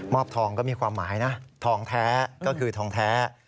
อบทองก็มีความหมายนะทองแท้ก็คือทองแท้